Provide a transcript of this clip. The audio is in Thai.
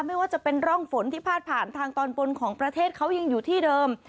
ไม่ว่าจะเป็นร่องฝนที่พาดผ่านทางตอนบนของประเทศเขายังอยู่ที่เดิม